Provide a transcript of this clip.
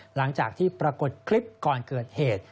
หลังจากที่ปรากฏคลิปก่อนเกิดเหตุ